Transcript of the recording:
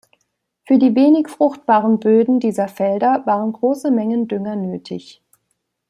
Für die wenig fruchtbaren Böden dieser Felder waren große Mengen Dünger nötig.